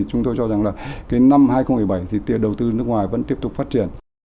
chúng tôi cho rằng là cái năm hai nghìn một mươi bảy thì đầu tư nước ngoài vẫn tiếp tục phát triển